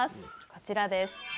こちらです。